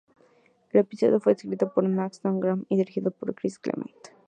El episodio fue escrito por Ian Maxtone-Graham y dirigido por Chris Clements.